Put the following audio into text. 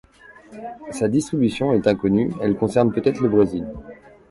Sa distribution est inconnue, elle concerne peut-être le Brésil.